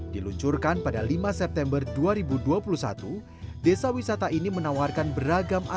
diluncurkan pada lima september dua ribu dua puluh satu desa wisata ini menawarkan beragam